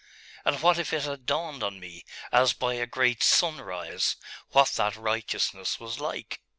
And what if it had dawned on me, as by a great sunrise, what that righteousness was like?